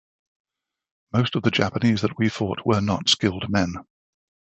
Most of the Japanese that we fought were not skilled men.